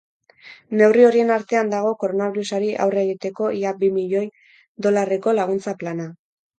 Neurri horien artean dago koronabirusari aurre egiteko ia bi bilioi dolarreko laguntza plana.